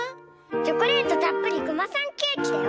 チョコレートたっぷりクマさんケーキだよ！